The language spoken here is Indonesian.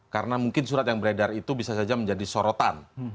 karena mungkin surat yang beredar itu bisa saja menjadi sorotan